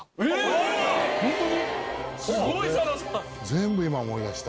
全部今思い出した。